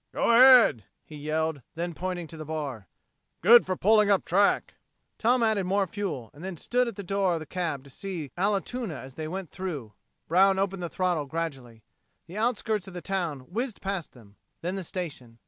"Go ahead," he yelled, then, pointing to the bar: "Good for pulling up track." Tom added more fuel, and then stood at the door of the cab to see Allatoona as they went through. Brown opened the throttle gradually. The outskirts of the town whizzed past them; then the station.